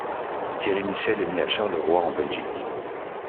Thierry Michel est né à Charleroi en Belgique.